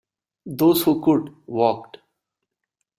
Those who could, walked.